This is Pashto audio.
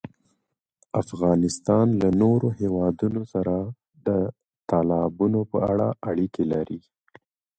افغانستان له نورو هېوادونو سره د تالابونو په اړه اړیکې لري.